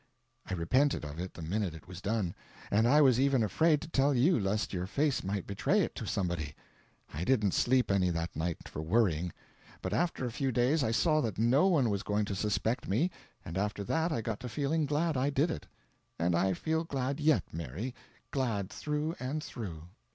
I repented of it the minute it was done; and I was even afraid to tell you lest your face might betray it to somebody. I didn't sleep any that night, for worrying. But after a few days I saw that no one was going to suspect me, and after that I got to feeling glad I did it. And I feel glad yet, Mary glad through and through."